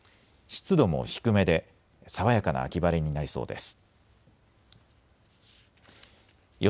湿度も低めで爽やかな秋晴れになりそうです。